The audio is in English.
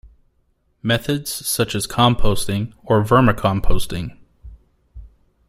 Methods such as composting, or vermicomposting.